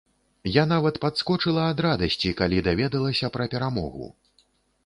Я нават падскочыла ад радасці, калі даведалася пра перамогу!